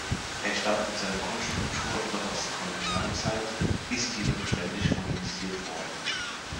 Es stammt in seiner Grundstruktur noch aus der Kolonialzeit, ist jedoch beständig modernisiert worden.